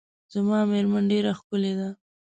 زما میرمن ډیره ښکلې ده .